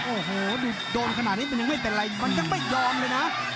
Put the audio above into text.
โอ้โหดูโดนขนาดนี้มันยังไม่เป็นไรมันยังไม่ยอมเลยนะ